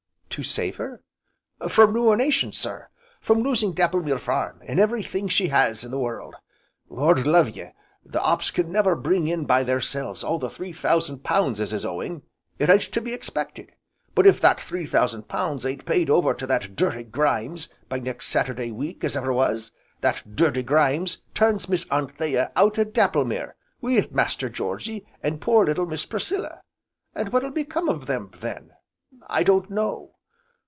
"To save her?" "From ruination, sir! From losing Dapplemere Farm, an' every thing she has in the world. Lord love ye! the 'ops can never bring in by theirselves all the three thousand pounds as is owing, it ain't to be expected, but if that three thousand pound ain't paid over to that dirty Grimes by next Saturday week as ever was, that dirty Grimes turns Miss Anthea out o' Dapplemere, wi' Master Georgy, an' poor little Miss Priscilla, An' what'll become o' them then, I don't know.